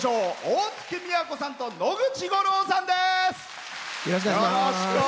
大月みやこさんと野口五郎さんです。